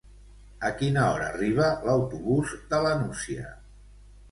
A quina hora arriba l'autobús de la Nucia?